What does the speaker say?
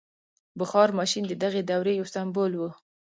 • بخار ماشین د دغې دورې یو سمبول و.